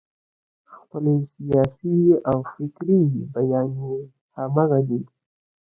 خپلې سیاسي او فکري بیانیې همغه دي.